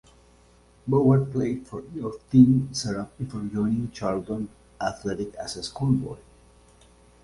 Bowyer played for youth team Senrab before joining Charlton Athletic as a schoolboy.